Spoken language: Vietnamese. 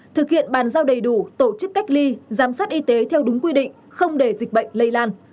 thực hiện bàn giao đầy đủ tổ chức cách ly giám sát y tế theo đúng quy định không để dịch bệnh lây lan